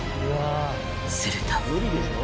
すると。